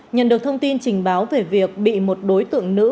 nhận được thông tin trình báo về việc bị một đối tượng nữ